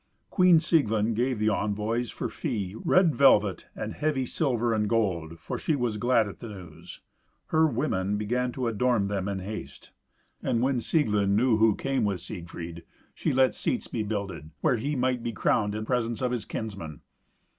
Queen Sieglind gave the envoys, for fee, red velvet and heavy silver and gold, for she was glad at the news. Her women began to adorn them in haste, and when Sieglind knew who came with Siegfried, she let seats be builded, where he might be crowned in presence of his kinsmen.